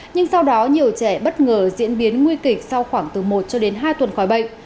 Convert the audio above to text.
nhưng sau đó nhiều trẻ bất ngờ diễn biến nguy kịch sau khoảng từ một cho đến hai tuần khỏi bệnh